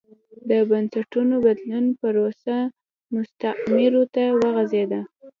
د بنسټونو بدلون پروسه مستعمرو ته وغځېده.